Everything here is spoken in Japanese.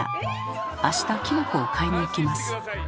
明日きのこを買いに行きます。